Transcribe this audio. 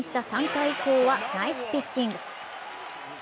３回以降は、ナイスピッチング。